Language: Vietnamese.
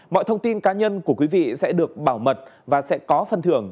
mọi thông tin cá nhân của quý vị sẽ được bảo mật và sẽ có phần thưởng